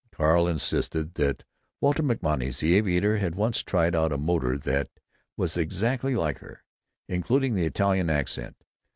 Carl insisted that Walter MacMonnies, the aviator, had once tried out a motor that was exactly like her, including the Italian accent.